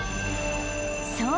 そう